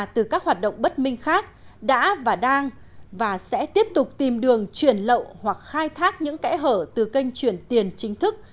từ các hoạt động bất minh khác đã và đang và sẽ tiếp tục tìm đường chuyển lậu hoặc khai thác những kẽ hở từ kênh chuyển tiền chính thức